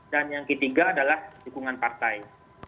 dan yang ketiga adalah dukungan partai